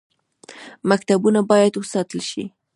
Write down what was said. مکتبونه باید وساتل شي